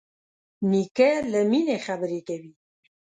نیکه له مینې خبرې کوي.